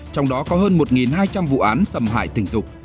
trong đó có hơn một hai trăm linh vụ án xâm hại tình dục